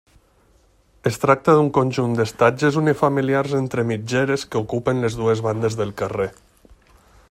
Es tracta d'un conjunt d'estatges unifamiliars entre mitgeres que ocupen les dues bandes del carrer.